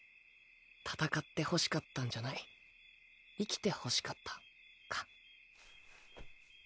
戦ってほしかったんじゃない生きてほしかったか。